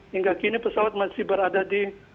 hingga kini pesawat masih berada di